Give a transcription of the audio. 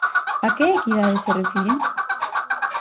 ¿A que equidade se refire?